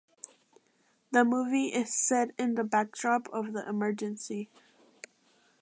The movie is set in the backdrop of the Emergency.